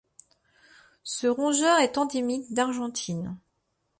Ce rongeur est endémique d'Argentine.